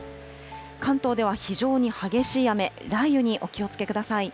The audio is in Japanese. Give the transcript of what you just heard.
関東では非常に激しい雨、雷雨にお気をつけください。